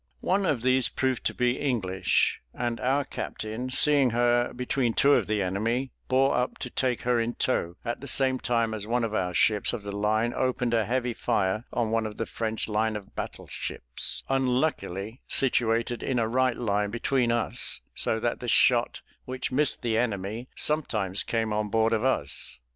One of these proved to be English, and our captain, seeing her between two of the enemy, bore up to take her in tow: at the same time, one of our ships of the line opened a heavy fire on one of the French line of battle ships, unluckily situated in a right line between us, so that the shot which missed the enemy sometimes came on board of us.